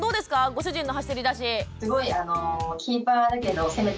ご主人の走り出し。